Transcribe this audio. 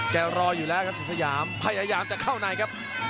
รออยู่แล้วครับสุดสยามพยายามจะเข้าในครับ